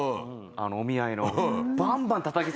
あのお見合いの。